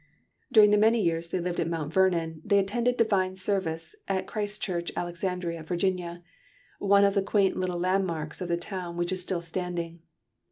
During the many years they lived at Mount Vernon, they attended divine service at Christ Church, Alexandria, Virginia, one of the quaint little landmarks of the town which is still standing.